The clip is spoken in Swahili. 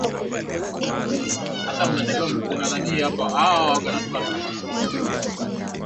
mawaziri wengine italia hii leo wametangaza